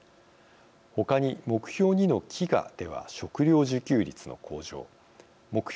他に目標２の「飢餓」では食料自給率の向上目標